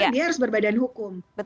dia harus berbadan hukum